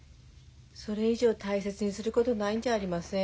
それ以上大切にすることないんじゃありません？